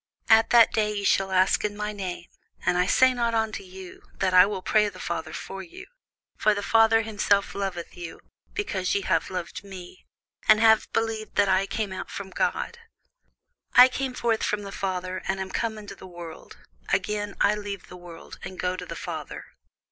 At that day ye shall ask in my name: and I say not unto you, that I will pray the Father for you: for the Father himself loveth you, because ye have loved me, and have believed that I came out from God. I came forth from the Father, and am come into the world: again, I leave the world, and go to the Father.